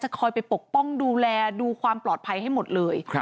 คอยไปปกป้องดูแลดูความปลอดภัยให้หมดเลย